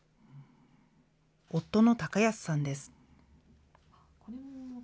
夫の貴康さんです。